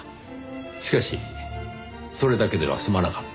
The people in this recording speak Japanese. しかしそれだけでは済まなかった？